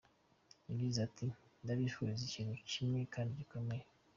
Yagize ati “Ndabifuriza ikintu kimwe kandi gikomeye.